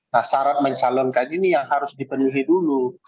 nah syarat mencalonkan ini yang harus dipenuhi dulu